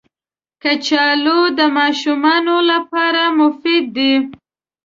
کچالو د ماشومانو لپاره مفید دي